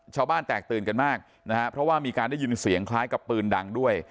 ชาวบ้านแตกตื่นกันมากนะฮะเพราะว่ามีการได้ยินเสียงคล้ายกับปืนดังด้วย